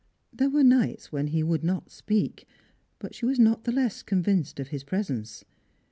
There were nights when he would not speak, but she was not the less convinced of his presence.